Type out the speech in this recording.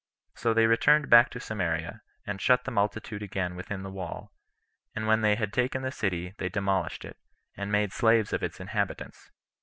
So they returned back to Samaria, and shut the multitude again within the wall; and when they had taken the city, they demolished it, and made slaves of its inhabitants.